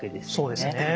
そうですね。